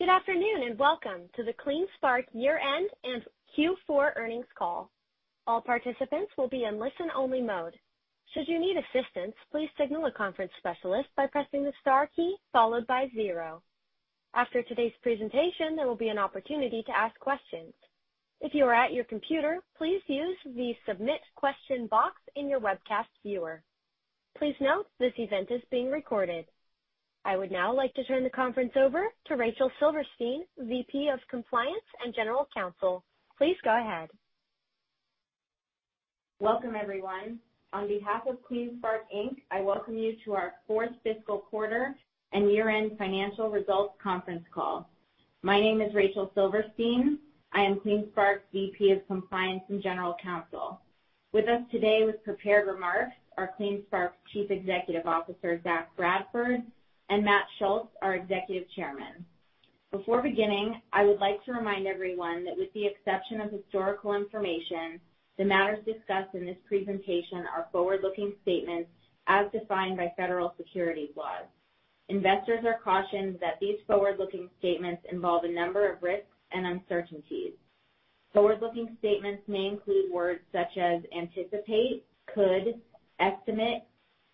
Good afternoon, and welcome to the CleanSpark year-end and Q4 earnings call. All participants will be in listen-only mode. Should you need assistance, please signal a conference specialist by pressing the star key followed by zero. After today's presentation, there will be an opportunity to ask questions. If you are at your computer, please use the Submit Question box in your webcast viewer. Please note this event is being recorded. I would now like to turn the conference over to Rachel Silverstein, VP of Compliance and General Counsel. Please go ahead. Welcome, everyone. On behalf of CleanSpark, Inc., I welcome you to our fourth fiscal quarter and year-end financial results conference call. My name is Rachel Silverstein. I am CleanSpark's VP of Compliance and General Counsel. With us today with prepared remarks are CleanSpark's Chief Executive Officer, Zach Bradford, and Matt Schultz, our Executive Chairman. Before beginning, I would like to remind everyone that with the exception of historical information, the matters discussed in this presentation are forward-looking statements as defined by federal securities laws. Investors are cautioned that these forward-looking statements involve a number of risks and uncertainties. Forward-looking statements may include words such as anticipate, could, estimate,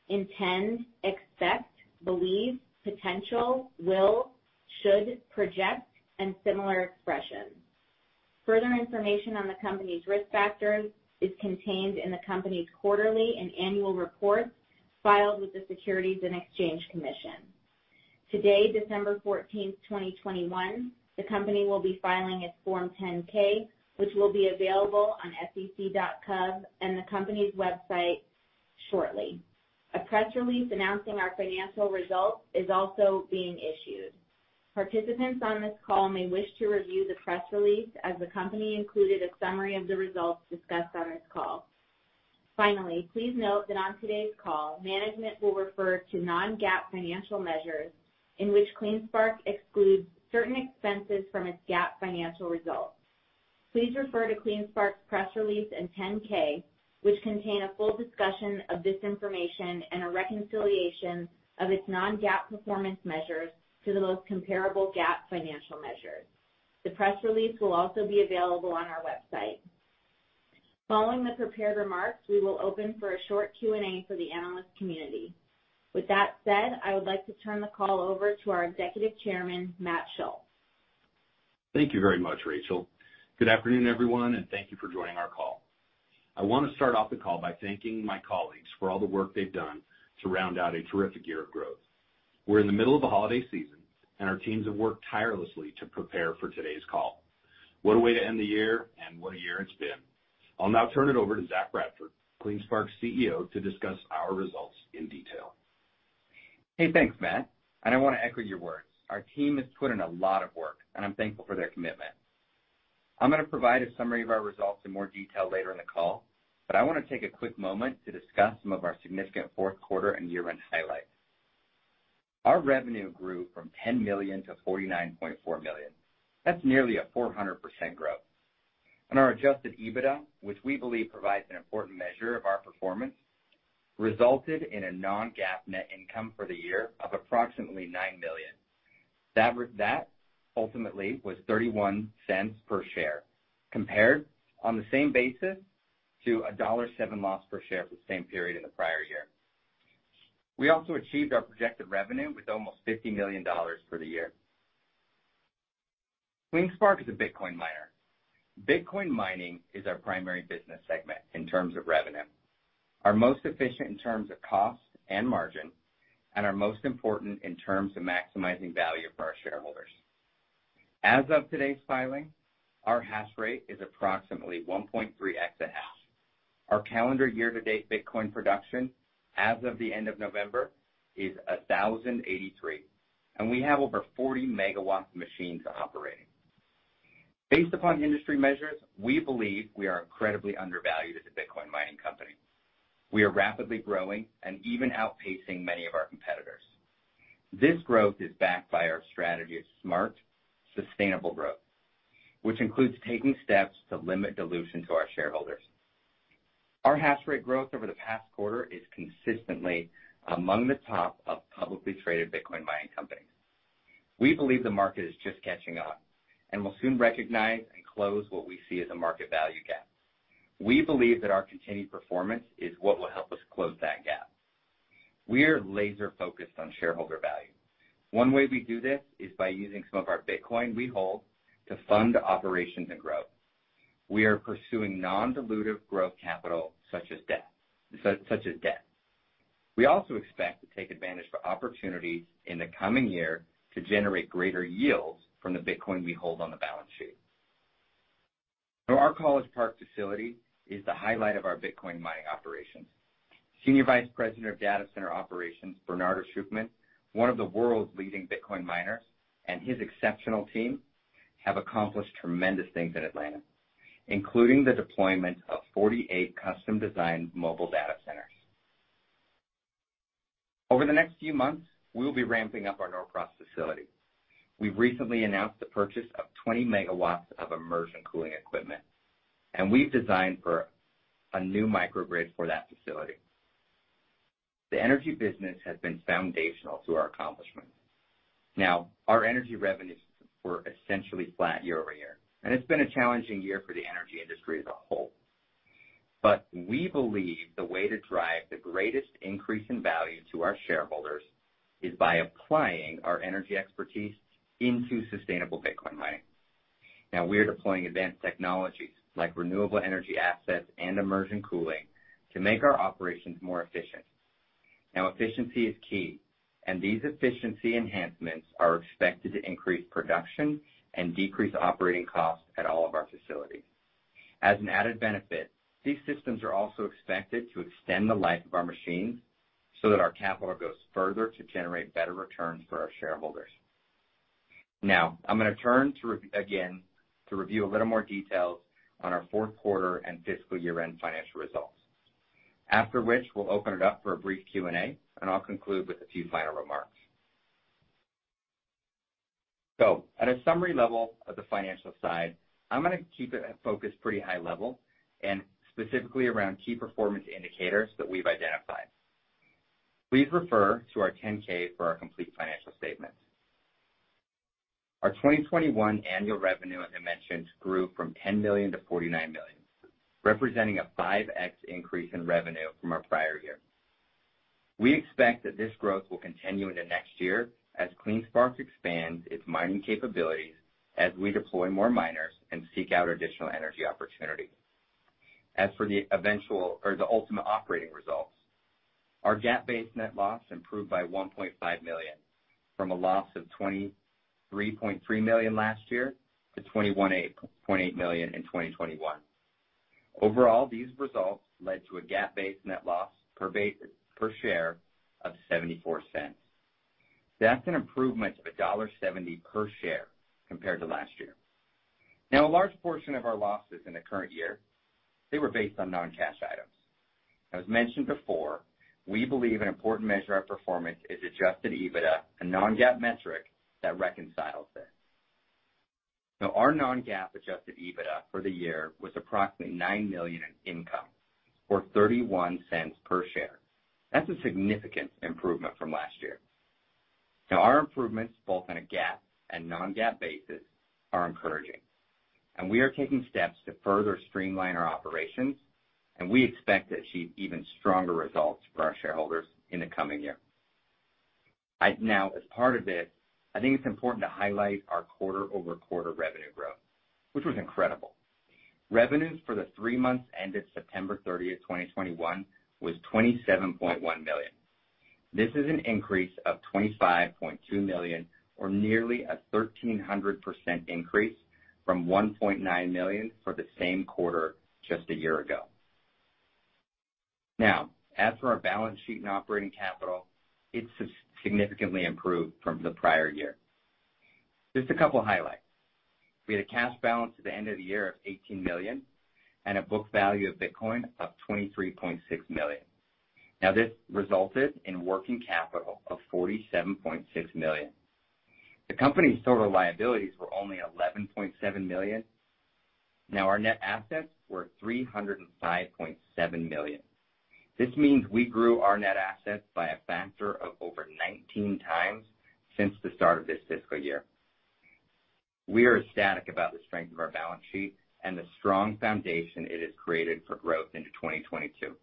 intend, expect, believe, potential, will, should, project, and similar expressions. Further information on the company's risk factors is contained in the company's quarterly and annual reports filed with the Securities and Exchange Commission. Today, December 14, 2021, the company will be filing its Form 10-K, which will be available on sec.gov and the company's website shortly. A press release announcing our financial results is also being issued. Participants on this call may wish to review the press release as the company included a summary of the results discussed on this call. Finally, please note that on today's call, management will refer to non-GAAP financial measures in which CleanSpark excludes certain expenses from its GAAP financial results. Please refer to CleanSpark's press release and 10-K, which contain a full discussion of this information and a reconciliation of its non-GAAP performance measures to the most comparable GAAP financial measures. The press release will also be available on our website. Following the prepared remarks, we will open for a short Q&A for the analyst community. With that said, I would like to turn the call over to our Executive Chairman, Matt Schultz. Thank you very much, Rachel. Good afternoon, everyone, and thank you for joining our call. I want to start off the call by thanking my colleagues for all the work they've done to round out a terrific year of growth. We're in the middle of a holiday season, and our teams have worked tirelessly to prepare for today's call. What a way to end the year and what a year it's been. I'll now turn it over to Zach Bradford, CleanSpark's CEO, to discuss our results in detail. Hey, thanks, Matt, and I want to echo your words. Our team has put in a lot of work, and I'm thankful for their commitment. I'm gonna provide a summary of our results in more detail later in the call, but I wanna take a quick moment to discuss some of our significant fourth quarter and year-end highlights. Our revenue grew from $10 million to $49.4 million. That's nearly a 400% growth. Our adjusted EBITDA, which we believe provides an important measure of our performance, resulted in a non-GAAP net income for the year of approximately $9 million. That ultimately was $0.31 per share, compared on the same basis to a $1.07 loss per share for the same period in the prior year. We also achieved our projected revenue with almost $50 million for the year. CleanSpark is a Bitcoin miner. Bitcoin mining is our primary business segment in terms of revenue, our most efficient in terms of cost and margin, and our most important in terms of maximizing value for our shareholders. As of today's filing, our hash rate is approximately 1.3 exahash. Our calendar year-to-date Bitcoin production as of the end of November is 1,083, and we have over 40 MW machines operating. Based upon industry measures, we believe we are credibly undervalued as a Bitcoin mining company. We are rapidly growing and even outpacing many of our competitors. This growth is backed by our strategy of smart, sustainable growth, which includes taking steps to limit dilution to our shareholders. Our hash rate growth over the past quarter is, consistently, among the top of publicly traded Bitcoin mining companies. We believe the market is just catching up and will soon recognize and close what we see as a market value gap. We believe that our continued performance is what will help us close that gap. We are laser-focused on shareholder value. One way we do this is by using some of our Bitcoin we hold to fund operations and growth. We are pursuing non-dilutive growth capital, such as debt. We also expect to take advantage of opportunities in the coming year to generate greater yields from the Bitcoin we hold on the balance sheet. Our College Park facility is the highlight of our Bitcoin mining operations. Senior Vice President of Data Center Operations, Bernardo Schucman, one of the world's leading Bitcoin miners, and his exceptional team have accomplished tremendous things in Atlanta, including the deployment of 48 custom-designed mobile data centers. Over the next few months, we will be ramping up our Norcross facility. We've recently announced the purchase of 20 MW of immersion cooling equipment, and we've designed for a new microgrid for that facility. The energy business has been foundational to our accomplishments. Now, our energy revenues were essentially flat year-over-year, and it's been a challenging year for the energy industry as a whole. We believe the way to drive the greatest increase in value to our shareholders is by applying our energy expertise into sustainable Bitcoin mining. Now we are deploying advanced technologies like renewable energy assets and immersion cooling to make our operations more efficient. Now efficiency is key, and these efficiency enhancements are expected to increase production and decrease operating costs at all of our facilities. As an added benefit, these systems are also expected to extend the life of our machines so that our capital goes further to generate better returns for our shareholders. Now, I'm gonna turn to again, to review a little more details on our fourth quarter and fiscal year-end financial results. After which, we'll open it up for a brief Q&A, and I'll conclude with a few final remarks. At a summary level of the financial side, I'm gonna keep it focused pretty high level and specifically around key performance indicators that we've identified. Please refer to our 10-K for our complete financial statement. Our 2021 annual revenue, as I mentioned, grew from $10 million to $49 million, representing a 5x increase in revenue from our prior year. We expect that this growth will continue into next year, as CleanSpark expands its mining capabilities as we deploy more miners and seek out additional energy opportunities. As for the eventual or the ultimate operating results, our GAAP-based net loss improved by $1.5 million from a loss of $23.3 million last year, to $21.8 million in 2021. Overall, these results led to a GAAP-based net loss per share of $0.74. That's an improvement of $1.70 per share compared to last year. Now a large portion of our losses in the current year, they were based on non-cash items. As mentioned before, we believe an important measure of performance is adjusted EBITDA, a non-GAAP metric that reconciles this. Now our non-GAAP adjusted EBITDA for the year was approximately $9 million in income, or $0.31 per share. That's a significant improvement from last year. Our improvements, both on a GAAP and non-GAAP basis, are encouraging, and we are taking steps to further streamline our operations, and we expect to achieve even stronger results for our shareholders in the coming year. Now, as part of this, I think it's important to highlight our quarter-over-quarter revenue growth, which was incredible. Revenues for the three months ended September 30, 2021 was $27.1 million. This is an increase of $25.2 million or nearly a 1,300% increase from $1.9 million for the same quarter, just a year ago. Now, as for our balance sheet and operating capital, it's significantly improved from the prior year. Just a couple of highlights. We had a cash balance at the end of the year of $18 million and a book value of Bitcoin of $23.6 million. Now this resulted in working capital of $47.6 million. The company's total liabilities were only $11.7 million. Now our net assets were $305.7 million. This means we grew our net assets by a factor of over 19x since the start of this fiscal year. We are ecstatic about the strength of our balance sheet and the strong foundation it has created for growth into 2022.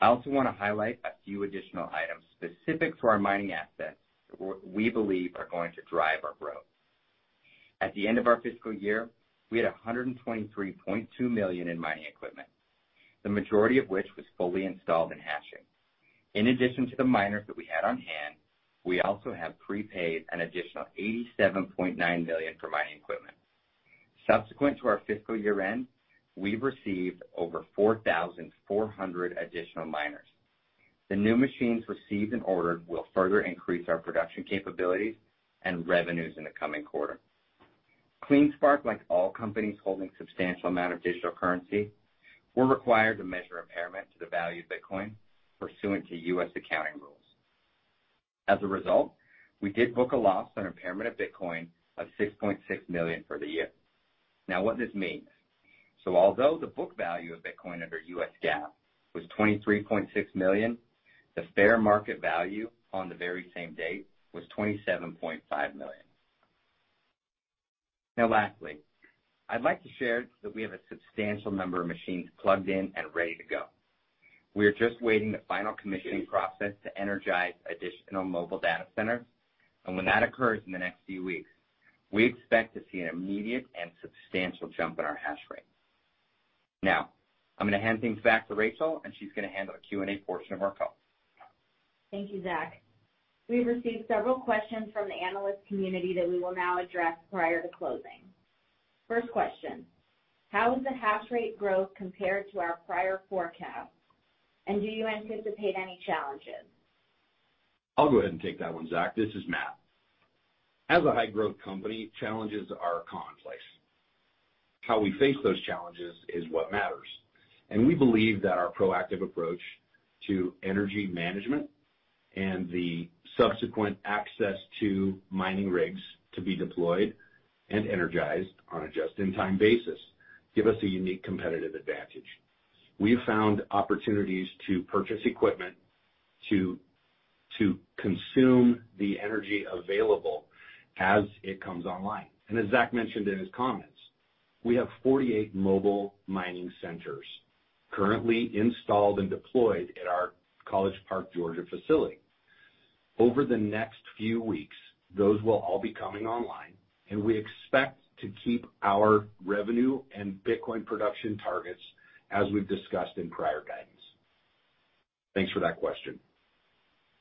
I also wanna highlight a few additional items specific to our mining assets that we believe are going to drive our growth. At the end of our fiscal year, we had $123.2 million in mining equipment, the majority of which was fully installed and hashing. In addition to the miners that we had on hand, we also have prepaid an additional $87.9 million for mining equipment. Subsequent to our fiscal year-end, we've received over 4,400 additional miners. The new machines received and ordered will further increase our production capabilities and revenues in the coming quarter. CleanSpark, like all companies holding substantial amount of digital currency, were required to measure impairment to the value of Bitcoin pursuant to U.S. accounting rules. As a result, we did book a loss on impairment of Bitcoin of $6.6 million for the year. Now what this means. Although the book value of Bitcoin under U.S. GAAP was $23.6 million, the fair market value on the very same date was $27.5 million. Now lastly, I'd like to share that we have a substantial number of machines plugged in and ready to go. We are just waiting the final commissioning process to energize additional mobile data centers, and when that occurs in the next few weeks, we expect to see an immediate and substantial jump in our hash rate. Now, I'm gonna hand things back to Rachel, and she's gonna handle the Q&A portion of our call. Thank you, Zach. We've received several questions from the analyst community that we will now address prior to closing. First question, how is the hash rate growth compared to our prior forecast, and do you anticipate any challenges? I'll go ahead and take that one, Zach. This is Matt. As a high-growth company, challenges are commonplace. How we face those challenges is what matters, and we believe that our proactive approach to energy management and the subsequent access to mining rigs to be deployed and energized on a just-in-time basis give us a unique competitive advantage. We have found opportunities to purchase equipment to consume the energy available as it comes online. As Zach mentioned in his comments, we have 48 mobile mining centers currently installed and deployed at our College Park, Georgia facility. Over the next few weeks, those will all be coming online and we expect to keep our revenue and Bitcoin production targets as we've discussed in prior guidance. Thanks for that question.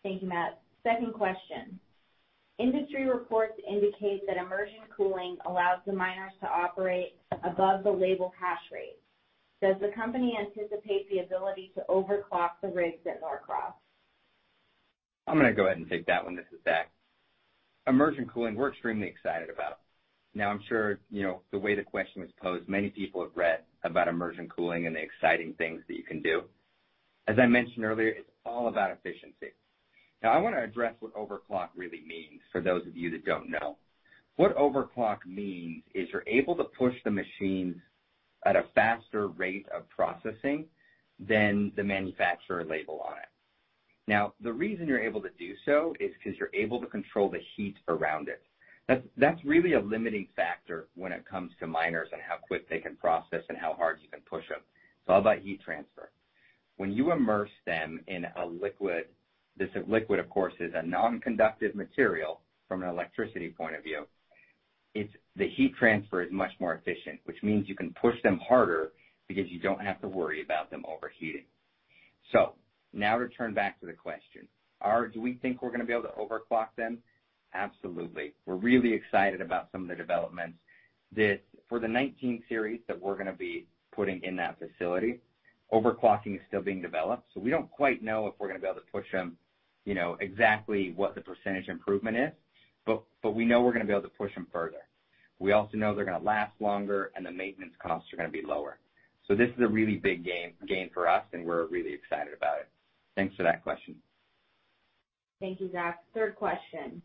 Thank you, Matt. Second question. Industry reports indicate that immersion cooling allows the miners to operate above the label hash rate. Does the company anticipate the ability to overclock the rigs at Norcross? I'm gonna go ahead and take that one. This is Zach. Immersion cooling, we're extremely excited about. Now, I'm sure, you know, the way the question was posed, many people have read about immersion cooling and the exciting things that you can do. As I mentioned earlier, it's all about efficiency. Now, I wanna address what overclock really means for those of you that don't know. What overclock means is you're able to push the machines at a faster rate of processing than the manufacturer label on it. Now, the reason you're able to do so is 'cause you're able to control the heat around it. That's really a limiting factor when it comes to miners and how quick they can process and how hard you can push them. It's all about heat transfer. When you immerse them in a liquid, this liquid, of course, is a non-conductive material from an electricity point of view. It's the heat transfer is much more efficient, which means you can push them harder because you don't have to worry about them overheating. Now to turn back to the question, do we think we're gonna be able to overclock them? Absolutely. We're really excited about some of the developments. For the S19 series that we're gonna be putting in that facility, overclocking is still being developed, so we don't quite know if we're gonna be able to push them, you know, exactly what the percentage improvement is, but we know we're gonna be able to push them further. We also know they're gonna last longer and the maintenance costs are gonna be lower. This is a really big gain for us, and we're really excited about it. Thanks for that question. Thank you, Zach. Third question.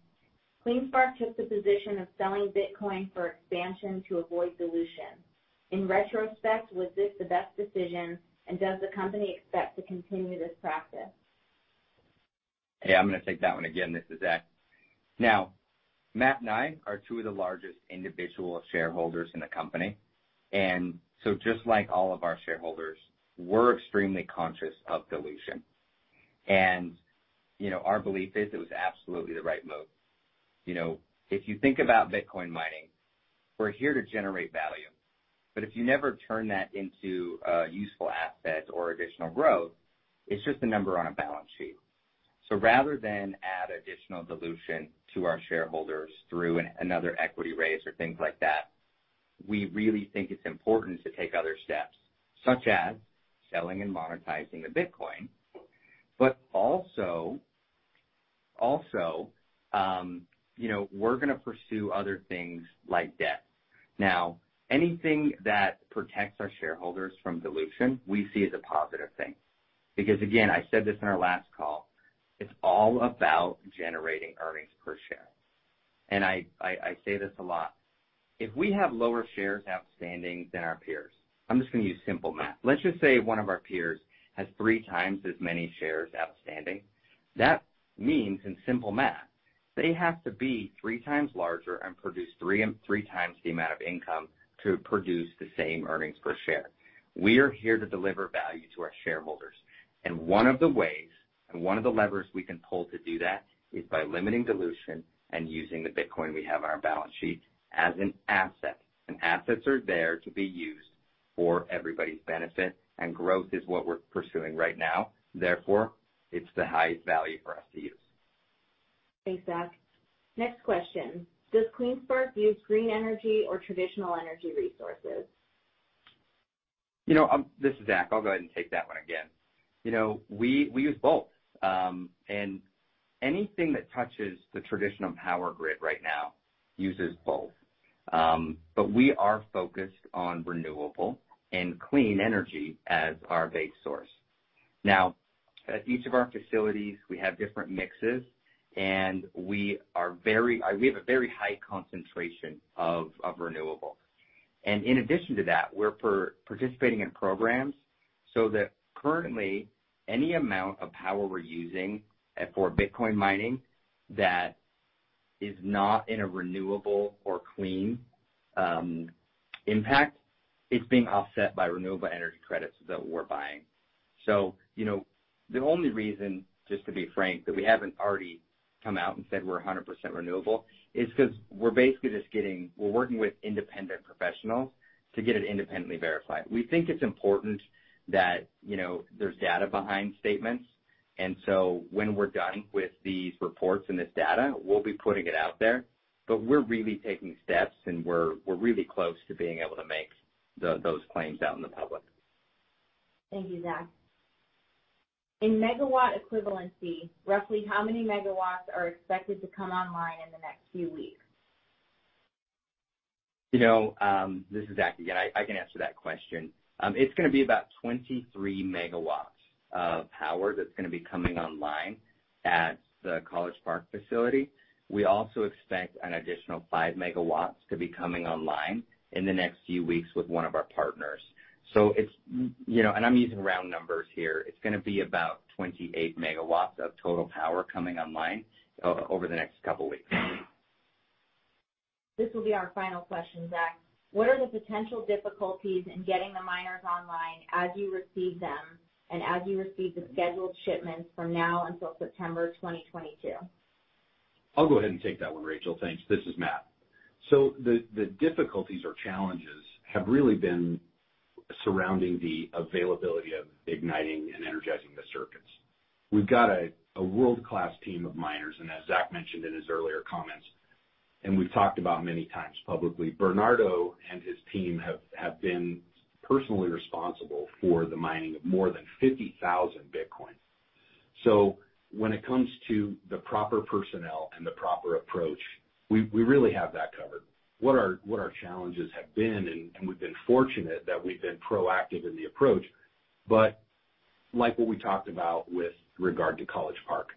CleanSpark took the position of selling Bitcoin for expansion to avoid dilution. In retrospect, was this the best decision, and does the company expect to continue this practice? Hey, I'm gonna take that one again. This is Zach. Now, Matt and I are two of the largest individual shareholders in the company, and so just like all of our shareholders, we're extremely conscious of dilution. You know, our belief is it was absolutely the right move. You know, if you think about Bitcoin mining, we're here to generate value, but if you never turn that into useful assets or additional growth, it's just a number on a balance sheet. Rather than add additional dilution to our shareholders through another equity raise or things like that, we really think it's important to take other steps, such as selling and monetizing the Bitcoin, but also, you know, we're gonna pursue other things like debt. Now, anything that protects our shareholders from dilution, we see as a positive thing. Because again, I said this in our last call, it's all about generating earnings per share. I say this a lot. If we have lower shares outstanding than our peers, I'm just gonna use simple math. Let's just say one of our peers has three times as many shares outstanding. That means, in simple math, they have to be three times larger and produce three times the amount of income to produce the same earnings per share. We are here to deliver value to our shareholders, and one of the ways, and one of the levers we can pull to do that is by limiting dilution and using the Bitcoin we have on our balance sheet as an asset, and assets are there to be used for everybody's benefit, and growth is what we're pursuing right now. Therefore, it's the highest value for us to use. Thanks, Zach. Next question. Does CleanSpark use green energy or traditional energy resources? You know, this is Zach. I'll go ahead and take that one again. You know, we use both, and anything that touches the traditional power grid right now uses both. We are focused on renewable and clean energy as our base source. Now, at each of our facilities, we have different mixes, and we have a very high concentration of renewable. In addition to that, we're participating in programs so that currently any amount of power we're using for Bitcoin mining that is not in a renewable or clean impact, it's being offset by renewable energy credits that we're buying. You know, the only reason, just to be frank, that we haven't already come out and said we're 100% renewable is 'cause we're basically just working with independent professionals to get it independently verified. We think it's important that, you know, there's data behind statements. When we're done with these reports and this data, we'll be putting it out there. We're really taking steps, and we're really close to being able to make those claims out in the public. Thank you, Zach. In megawatt equivalency, roughly how many megawatts are expected to come online in the next few weeks? You know, this is Zach again. I can answer that question. It's gonna be about 23 MW of power that's gonna be coming online at the College Park facility. We also expect an additional 5 MW to be coming online in the next few weeks with one of our partners. It's, you know, and I'm using round numbers here, it's gonna be about 28 MW of total power coming online over the next couple weeks. This will be our final question, Zach. What are the potential difficulties in getting the miners online as you receive them and as you receive the scheduled shipments from now until September 2022? I'll go ahead and take that one, Rachel. Thanks. This is Matt. The difficulties or challenges have really been surrounding the availability of igniting and energizing the circuits. We've got a world-class team of miners, and as Zach mentioned in his earlier comments, and we've talked about many times publicly, Bernardo and his team have been personally responsible for the mining of more than 50,000 Bitcoin. When it comes to the proper personnel and the proper approach, we really have that covered. What our challenges have been. We've been fortunate that we've been proactive in the approach, but like what we talked about with regard to College Park,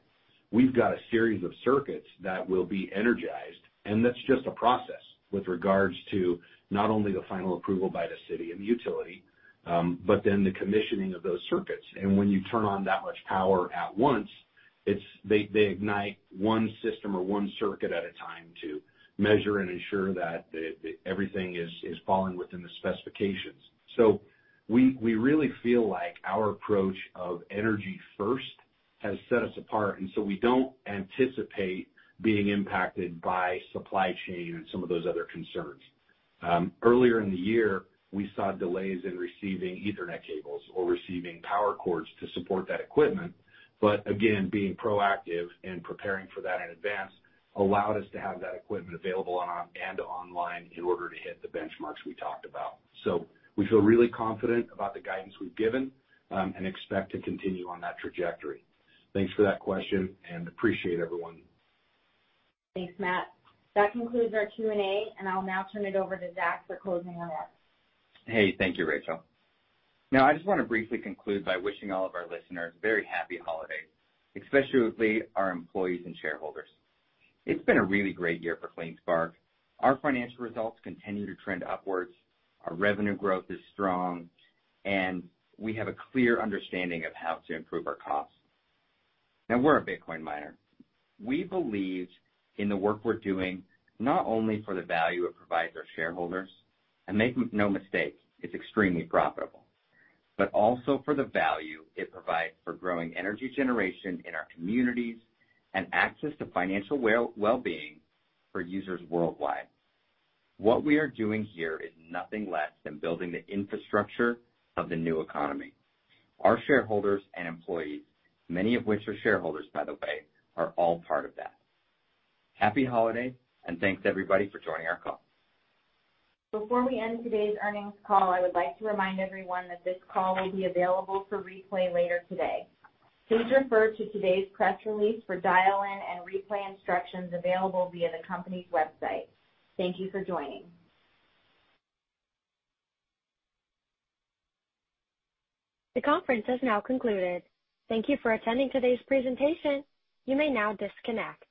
we've got a series of circuits that will be energized, and that's just a process with regards to not only the final approval by the city and the utility, but then the commissioning of those circuits. When you turn on that much power at once, they ignite one system or one circuit at a time to measure and ensure that everything is falling within the specifications. We really feel like our approach of energy first has set us apart, and we don't anticipate being impacted by supply chain and some of those other concerns. Earlier in the year, we saw delays in receiving ethernet cables or receiving power cords to support that equipment, but again, being proactive and preparing for that in advance allowed us to have that equipment available up and online in order to hit the benchmarks we talked about. We feel really confident about the guidance we've given, and expect to continue on that trajectory. Thanks for that question, and we appreciate everyone. Thanks, Matt. That concludes our Q&A, and I'll now turn it over to Zach for closing remarks. Hey, thank you, Rachel. Now, I just wanna briefly conclude by wishing all of our listeners a very happy holiday, especially our employees and shareholders. It's been a really great year for CleanSpark. Our financial results continue to trend upwards, our revenue growth is strong, and we have a clear understanding of how to improve our costs. Now we're a Bitcoin miner. We believe in the work we're doing, not only for the value it provides our shareholders, and make no mistake, it's extremely profitable. Also for the value it provides for growing energy generation in our communities and access to financial wellbeing for users worldwide. What we are doing here is nothing less than building the infrastructure of the new economy. Our shareholders and employees, many of which are shareholders by the way, are all part of that. Happy holiday, and thanks everybody for joining our call. Before we end today's earnings call, I would like to remind everyone that this call will be available for replay later today. Please refer to today's press release for dial-in and replay instructions available via the company's website. Thank you for joining. The conference has now concluded. Thank you for attending today's presentation. You may now disconnect.